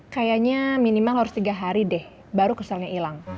kayaknya minimal harus tiga hari deh baru kesannya hilang